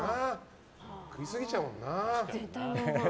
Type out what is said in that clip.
食いすぎちゃうもんな。